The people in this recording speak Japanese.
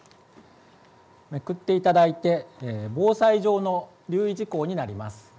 めくっていただいて防災上の留意事項になります。